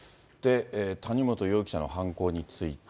谷本容疑者の犯行について。